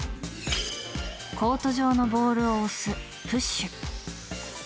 コート上のボールを押すプッシュ。